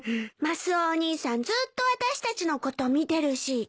マスオお兄さんずっと私たちのこと見てるし。